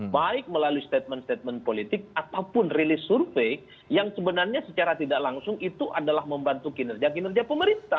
baik melalui statement statement politik ataupun rilis survei yang sebenarnya secara tidak langsung itu adalah membantu kinerja kinerja pemerintah